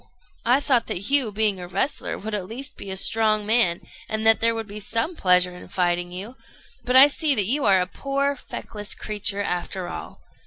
I thought that you, being a wrestler, would at least be a strong man, and that there would be some pleasure in fighting you; but I see that you are but a poor feckless creature, after all.